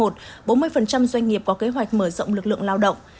bốn mươi doanh nghiệp có kế hoạch mở rộng lực lượng lao động